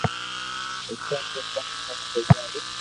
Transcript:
نيتوڙ تو ڪوم خراب ھوئي جائي